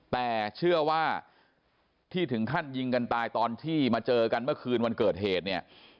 แต่เชื่อว่าที่ถึงขั้นยิงกันตายตอนที่มาเจอกันเมื่อคืนวันเกิดเหตุเนี่ย